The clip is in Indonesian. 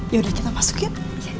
yaudah kita masuk yuk